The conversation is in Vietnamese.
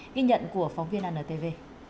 ghi nhận của phóng viên anntv